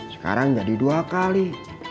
sekarang jadi dua kali